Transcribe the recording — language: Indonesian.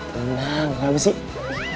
tenang gak bisa sih